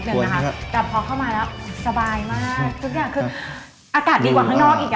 ไม่ต้องกลัวเรื่องที่แทบหรือความทรวงผักหรือหายใจไม่ออก